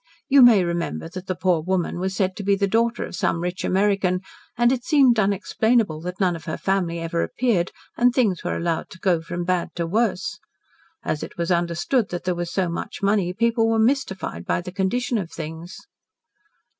You may remember that the poor woman was said to be the daughter of some rich American, and it seemed unexplainable that none of her family ever appeared, and things were allowed to go from bad to worse. As it was understood that there was so much money people were mystified by the condition of things."